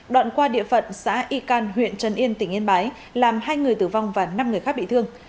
đoạn qua địa phận xã y can huyện trần yên tỉnh yên bái làm hai người tử vong và năm người khác bị thương